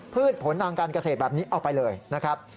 พืชผลทางการเกษตรแบบนี้เอาไปเลยนะครับ